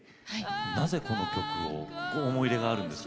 なぜ、この曲を思い入れがあるんですか？